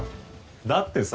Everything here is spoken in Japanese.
だってさ。